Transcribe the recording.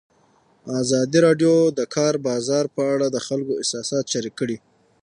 ازادي راډیو د د کار بازار په اړه د خلکو احساسات شریک کړي.